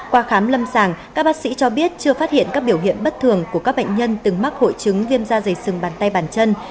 qua khám lâm sàng các bác sĩ cho biết chưa phát hiện các biểu hiện bất thường của các bệnh nhân từng mắc hội chứng viêm da dày sừng bàn tay bàn chân